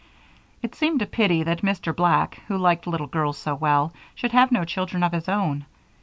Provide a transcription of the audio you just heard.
It seemed a pity that Mr. Black, who liked little girls so well, should have no children of his own.